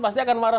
pasti akan marah